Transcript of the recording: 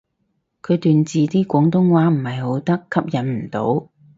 佢段字啲廣東話唔係好得，吸引唔到